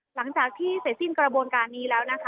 หลังจากที่เสร็จสิ้นกระบวนการนี้แล้วนะคะ